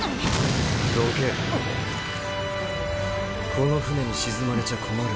この船に沈まれちゃ困るんだ。